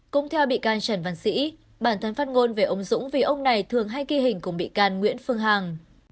cũng theo bị can trần văn sĩ bản thân phát ngôn về ông dũng vì ông này thường hay ghi hình cùng bị can nguyễn phương hằng